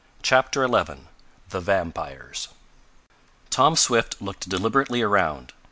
CHAPTER XI THE VAMPIRES Tom Swift looked deliberately around.